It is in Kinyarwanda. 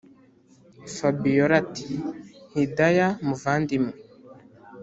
fabiora ati “hidaya muvandimwe